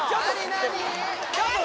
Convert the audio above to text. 何？